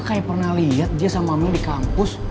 gue kayak pernah liat dia sama amin di kampus